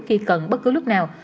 khi cần bất cứ lúc nào